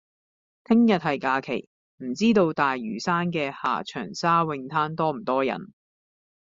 聽日係假期，唔知道大嶼山嘅下長沙泳灘多唔多人？